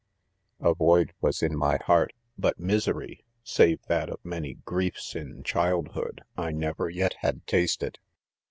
A void was In my heart, •Jbut misery, save that of many griefs in child Iiopdy I never yet; had tasted.